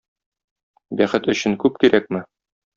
Бәхет өчен күп кирәкме?